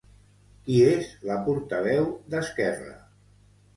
Qui és la portaveu d'Esquerra?